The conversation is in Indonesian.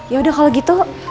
ya udah kalau gitu